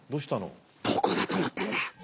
ここどこだと思ってんだ。